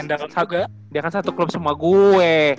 dia kan satu klub sama gue